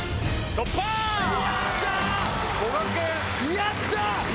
やった‼